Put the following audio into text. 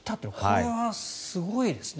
これはすごいですね。